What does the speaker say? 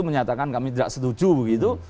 menyatakan kami tidak setuju begitu